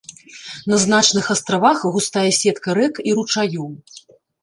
На значных астравах густая сетка рэк і ручаёў.